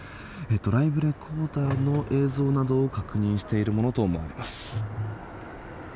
ドライブレコーダーの映像などを確認しているものと思われます。